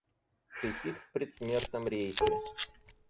Хрипит в предсмертном рейсе.